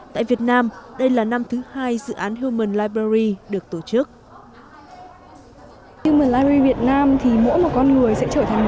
tại việt nam đây là năm thứ hai dự án human libbury được tổ chức